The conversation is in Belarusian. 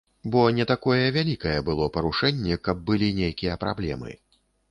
Бо не такое вялікае было парушэнне, каб былі нейкія праблемы.